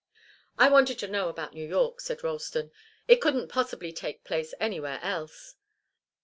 "I wanted to know about New York," said Ralston. "It couldn't possibly take place anywhere else."